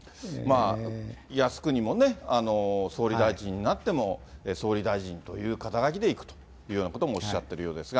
靖国もね、総理大臣になっても総理大臣という肩書でいくというようなこともおっしゃってるようですが。